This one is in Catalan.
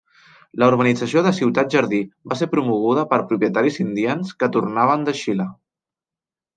La urbanització de ciutat-jardí va ser promoguda per propietaris indians que tornaven de Xile.